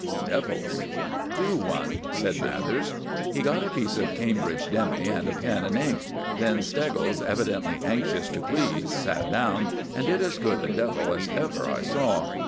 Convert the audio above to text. "Devils." "Do one," said Mathers. He got a piece of Cambridge demi and a pen and ink. Then Steggles, evidently anxious to please, sat down, and did as good a devil as ever I saw.